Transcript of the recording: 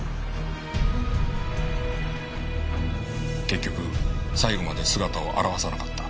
結局最後まで姿を現さなかった。